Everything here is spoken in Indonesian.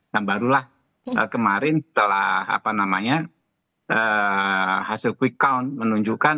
nah barulah kemarin setelah hasil quick count menunjukkan